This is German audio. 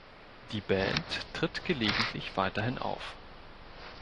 Die Band tritt gelegentlich weiterhin auf.